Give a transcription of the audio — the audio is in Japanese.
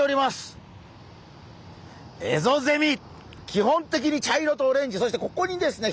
基本的に茶色とオレンジそしてここにですね